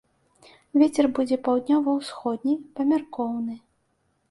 Вецер будзе паўднёва-усходні, памяркоўны.